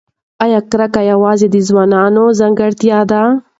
ایا کرکه یوازې د ځوانانو ځانګړتیا ده؟